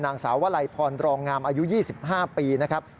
นางสาววลัยพรรองงามอายุ๒๕ปีนะครับ